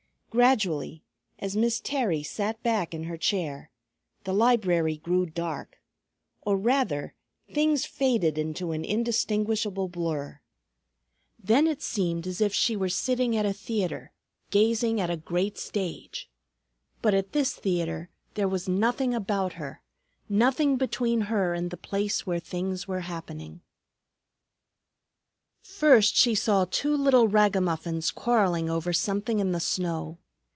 Gradually, as Miss Terry sat back in her chair, the library grew dark; or rather, things faded into an indistinguishable blur. Then it seemed as if she were sitting at a theatre gazing at a great stage. But at this theatre there was nothing about her, nothing between her and the place where things were happening. First she saw two little ragamuffins quarreling over something in the snow.